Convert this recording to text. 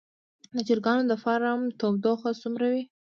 د چرګانو د فارم تودوخه څومره وي؟